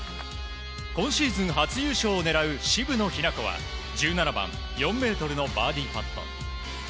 今シーズン初優勝を狙う渋野日向子は１７番、４ｍのバーディーパット。